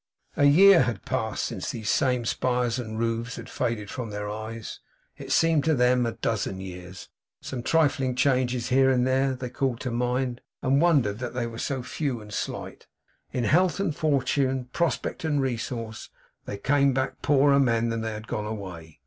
A year had passed since those same spires and roofs had faded from their eyes. It seemed to them, a dozen years. Some trifling changes, here and there, they called to mind; and wondered that they were so few and slight. In health and fortune, prospect and resource, they came back poorer men than they had gone away.